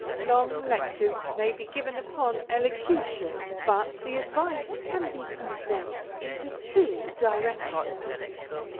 Long lectures may be given upon elocution, but the advice can be condensed into two directions.